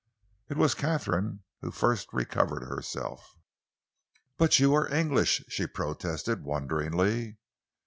It was Katharine who first recovered herself. "But you are English?" she protested wonderingly.